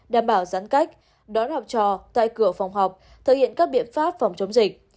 đảm bảo giãn cách đón học trò tại cửa phòng học thực hiện các biện pháp phòng chống dịch